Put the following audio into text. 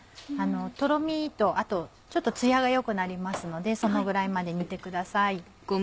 とろみとあとちょっとツヤが良くなりますのでそのぐらいまで煮てください。